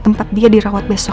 tempat dia dirawat besok